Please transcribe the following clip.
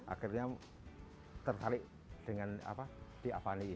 akhirnya terkali dengan di avani ini